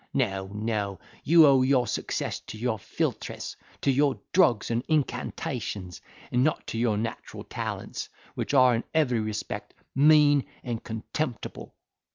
No, no, you owe your success to your philtres, to your drugs and incantations; and not to your natural talents, which are, in every respect, mean and contemptible."